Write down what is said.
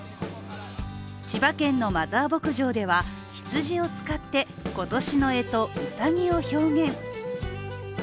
千葉県のマザー牧場では羊を使って今年のえと、ウサギを表現。